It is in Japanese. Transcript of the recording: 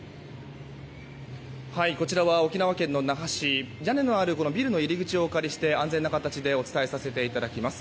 こちらは沖縄県の那覇市屋根のあるビルの入り口をお借りして安全な形でお伝えさせていただきます。